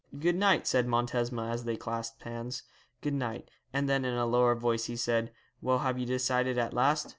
'Good night,' said Montesma, as they clasped hands; 'good night;' and then in a lower voice he said, 'Well, have you decided at last?